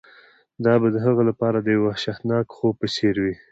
دا به د هغه لپاره د یو وحشتناک خوب په څیر وي